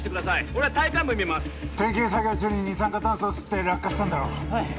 俺は体幹部診ます点検作業中に二酸化炭素を吸って落下したんだろ